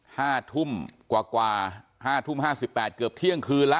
ห้าทุ่มกว่ากว่าห้าทุ่มห้าสิบแปดเกือบเที่ยงคืนแล้ว